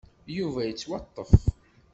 Yuba yettwaṭṭef.